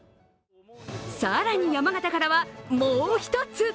更に、山形からはもう１つ。